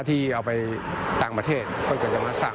มีกลิ่นหอมกว่า